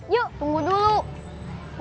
yuk tunggu dulu